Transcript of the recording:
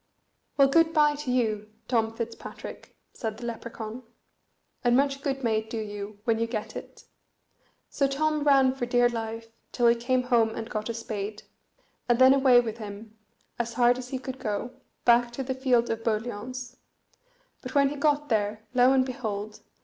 "Well, good bye to you Tom Fitzpatrick," said the Lepracaun; "and much good may it do you when you get it." So Tom ran for dear life, till he came home and got a spade, and then away with him, as hard as he could go, back to the field of boliauns; but when he got there, lo and behold!